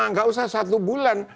tidak usah satu bulan